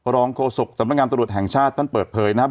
โฆษกสำนักงานตรวจแห่งชาติท่านเปิดเผยนะครับ